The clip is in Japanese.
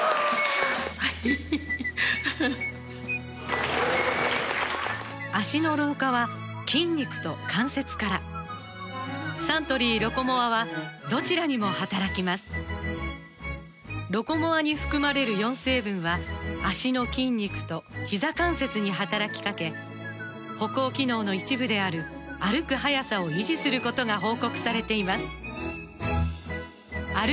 はい・脚の老化は筋肉と関節からサントリー「ロコモア」はどちらにも働きます「ロコモア」に含まれる４成分は脚の筋肉とひざ関節に働きかけ歩行機能の一部である歩く速さを維持することが報告されています